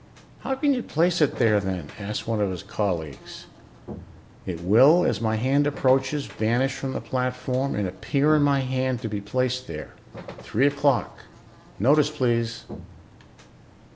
"How can you place it there, then?" asked one of his colleagues. "It will, as my hand approaches, vanish from the platform and appear in my hand to be placed there. Three o'clock. Notice, please."